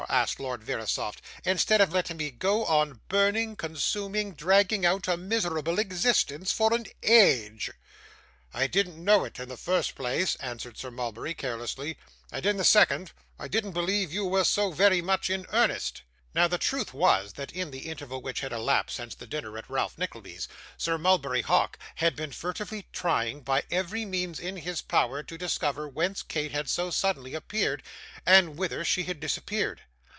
asked Lord Verisopht, 'instead of letting me go on burning, consuming, dragging out a miserable existence for an a age!' 'I didn't know it, in the first place,' answered Sir Mulberry carelessly; 'and in the second, I didn't believe you were so very much in earnest.' Now, the truth was, that in the interval which had elapsed since the dinner at Ralph Nickleby's, Sir Mulberry Hawk had been furtively trying by every means in his power to discover whence Kate had so suddenly appeared, and whither she had disappeared.